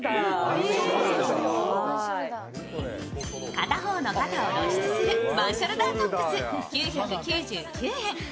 片方の肩を露出するワンショルダートップス、９９９円。